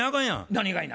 何がいな？